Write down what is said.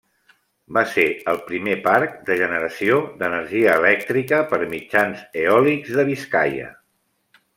Va ser el primer parc de generació d'energia elèctrica per mitjans eòlics de Biscaia.